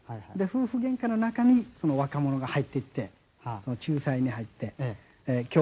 夫婦げんかの中に若者が入っていって仲裁に入って今日は綱引きだろ。